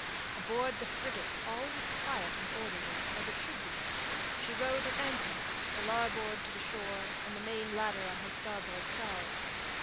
Aboard the frigate all was quiet and orderly as it should be. She rode at anchor, her larboard to the shore, and the main ladder on her starboard side.